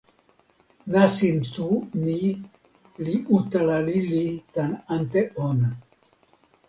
nasin tu ni li utala lili tan ante ona.